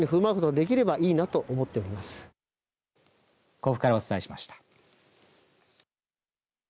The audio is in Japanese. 甲府からお伝えしました。